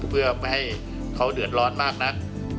เพื่อไม่ให้เขาเดือดร้อนมากนัก